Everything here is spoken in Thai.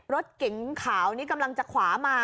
รถเก๋งขาวนี่กำลังจะขวามา